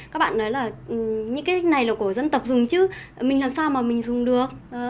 các bạn nói là những cái này là của dân tộc dùng chứ mình làm sao mà mình dùng được